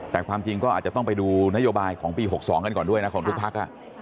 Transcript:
แต่ความจริงก็อาจจะต้องไปดูนโยบายของปี๖๒กันก่อนด้วยนะของทุกพัก